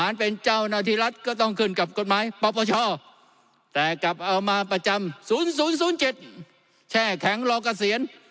รัฐก็ต้องขึ้นกับกฎหมายประชาแต่กลับเอามาประจำ๐๐๐๗แช่แข็งรอกเกษียณ